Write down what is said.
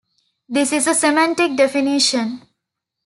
This is a semantic definition.